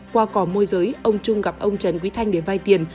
qua cỏ môi giới ông trung gặp ông trần quý thanh để vay tiền